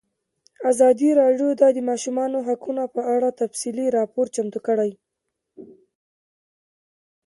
ازادي راډیو د د ماشومانو حقونه په اړه تفصیلي راپور چمتو کړی.